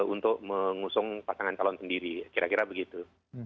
untuk mengusung pasangan calon sendiri kira kira begitu